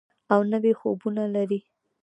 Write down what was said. او نوي خوبونه لري.